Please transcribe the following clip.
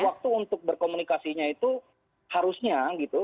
waktu untuk berkomunikasinya itu harusnya gitu